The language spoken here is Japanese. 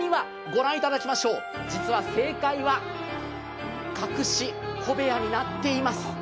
御覧いただきましょう、実は正解は隠し小部屋になっています。